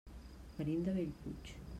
Venim de Bellpuig.